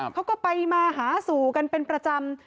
เขาก็ไปมาหาสู่กันเป็นประจำ